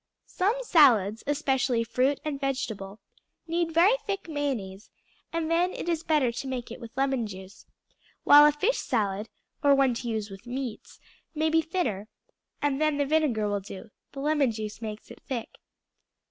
Some salads, especially fruit and vegetable, need very thick mayonnaise, and then it is better to make it with lemon juice, while a fish salad, or one to use with meats, may be thinner, and then the vinegar will do; the lemon juice makes it thick.